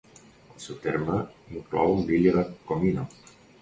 El seu terme inclou l'illa de Comino.